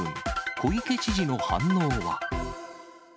小池知事の反応は。